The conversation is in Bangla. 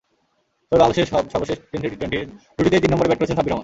তবে বাংলাদেশের সর্বশেষ তিনটি টি-টোয়েন্টির দুটিতেই তিন নম্বরে ব্যাট করেছেন সাব্বির রহমান।